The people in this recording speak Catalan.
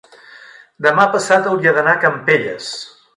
demà passat hauria d'anar a Campelles.